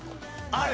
ある？